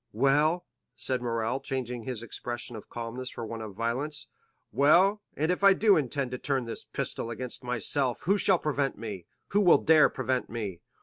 "Well," said Morrel, changing his expression of calmness for one of violence—"well, and if I do intend to turn this pistol against myself, who shall prevent me—who will dare prevent me?